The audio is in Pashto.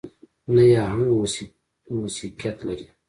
نه يې اهنګ موسيقيت لري.